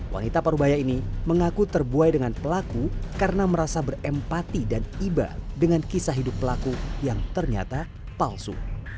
wanita parubaya ini mengaku terbuai dengan pelaku karena merasa berempati dan iba dengan kisah hidup pelaku yang ternyata palsu